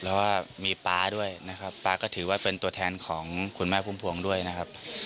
แล้วก็มีป๊าด้วยนะครับป๊าก็ถือว่าเป็นตัวแทนของคุณแม่พุ่มพวงด้วยนะครับ